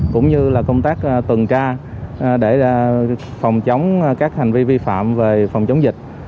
cũng như là công tác tuần tra để phòng chống các hành vi vi phạm về phòng chống dịch